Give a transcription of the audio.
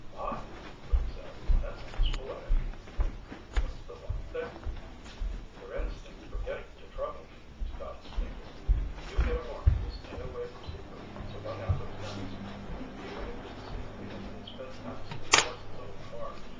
"My," Rick said. "That's almost poetic. What's the one thing?" "Your instinct for getting into trouble," Scotty stated. "You get a warning to stay away from Seaford, so what happens next?" He waved at the scenery as they sped past in Gus's old car.